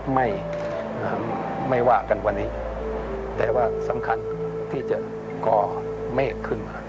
ไม่ไม่ว่ากันวันนี้แต่ว่าสำคัญที่จะก่อเมฆขึ้นมา